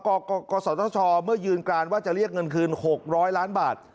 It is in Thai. กศธชเมื่อยืนกรานว่าจะเรียกเงินคืน๖๐๐ล้านบาท